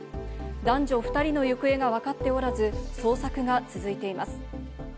男女２人の行方がわかっておらず、捜索が続いています。